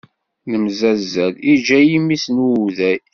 Nemzazzal, iǧǧa-yi mmi-s n wuday.